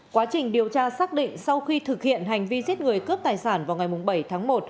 quá trình điều tra xác định sau khi thực hiện hành vi giết người cướp tài sản vào ngày bảy tháng một